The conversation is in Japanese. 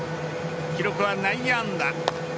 記録は内野安打。